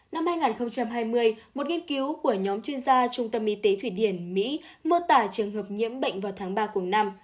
năm hai nghìn hai mươi một nghiên cứu của nhóm chuyên gia trung tâm y tế thụy điển mỹ mô tả trường hợp nhiễm bệnh vào tháng ba cùng năm